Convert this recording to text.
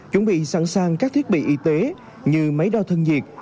chuẩn bị sẵn sàng các thiết bị y tế như máy đo thân nhiệt